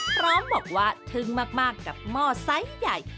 พร้อมบอกว่าทึ่งมากกับหม้อไซส์ใหญ่